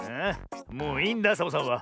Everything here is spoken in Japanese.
もういいんだサボさんは。